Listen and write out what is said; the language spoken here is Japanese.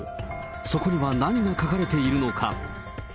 そこには何が書かれているのか。